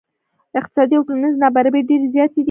اقتصادي او ټولنیزې نا برابرۍ ډیرې زیاتې دي.